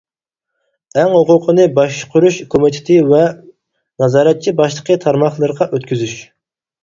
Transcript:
ئەڭ ھوقۇقىنى باشقۇرۇش كومىتېتى ۋە نازارەتچى باشلىقى تارماقلىرىغا ئۆتكۈزۈش.